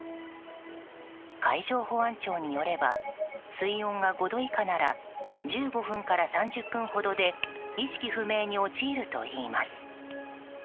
海上保安庁によれば水温が５度以下なら１５分から３０分ほどで意識不明に陥るといいます。